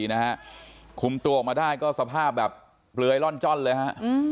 นะฮะคุมตัวออกมาได้ก็สภาพแบบเปลือยร่อนจ้อนเลยฮะ